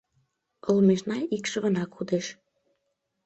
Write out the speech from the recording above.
Олмешна икшывына кодеш.